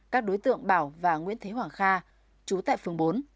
các đối tượng bảo và nguyễn thế hoàng kha chú tại phường bốn